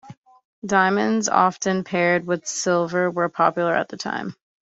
Diamonds, often paired with silver, were popular at that time.